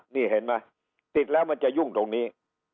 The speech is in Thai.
นี่เห็นไหมติดแล้วมันจะยุ่งตรงนี้